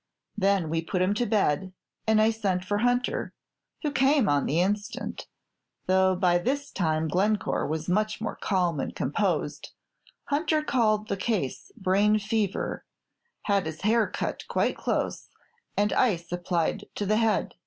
Then we put him to bed, and I sent for Hunter, who came on the instant. Though by this time Glencore was much more calm and composed, Hunter called the case brain fever; had his hair cut quite close, and ice applied to the head.